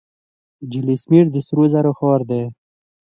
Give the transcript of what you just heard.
جیسلمیر د سرو زرو ښار دی.